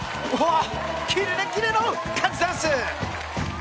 キレキレのカズダンス！